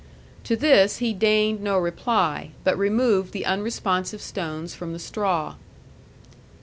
To this he deigned no reply, but removed the unresponsive stones from the straw.